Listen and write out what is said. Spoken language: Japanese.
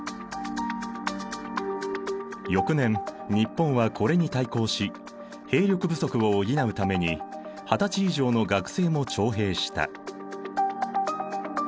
翌年日本はこれに対抗し兵力不足を補うために二十歳以上の学生も徴兵した。